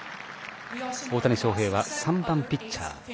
大谷翔平は３番、ピッチャー。